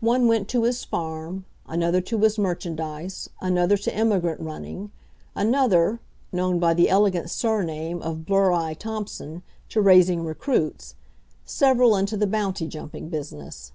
One went to his farm, another to his merchandise, another to emigrant running, another (known by the elegant surname of Blur eye Thompson) to raising recruits, several into the bounty jumping business.